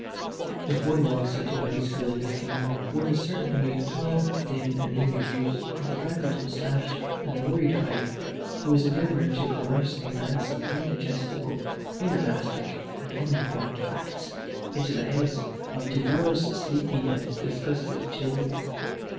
"If one walks into any school in this kingdom one is certain to meet a tall, thin, anaemic youth with a draggled moustache and a worried eye who is endeavouring to coerce a mass of indigestible, inelastic and unimportant facts into the heads of divers sleepy and disgusted children.